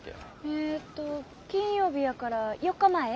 えっと金曜日やから４日前。